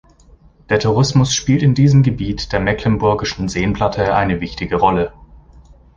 Der Tourismus spielt in diesem Gebiet der Mecklenburgischen Seenplatte eine wichtige Rolle.